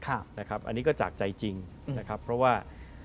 อันนี้ก็จากใจจริงนะครับเพราะว่า